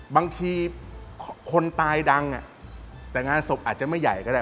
บางทีคนตายดังแต่งานศพอาจจะไม่ใหญ่ก็ได้